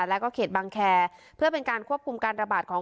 แล้วก็เขตบังแคร์เพื่อเป็นการควบคุมการระบาดของ